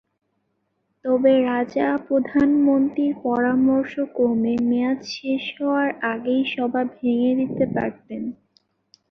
তবে রাজা প্রধানমন্ত্রীর পরামর্শক্রমে মেয়াদ শেষ হওয়ার আগেই সভা ভেঙে দিতে পারতেন।